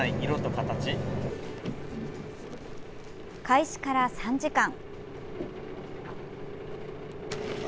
開始から３時間。